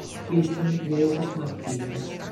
Cristian Jesús Martínez